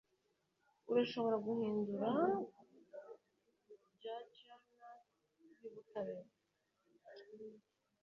urashobora guhinduka juggernaut yubutabera